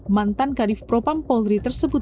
mantan karif propampolri tersebut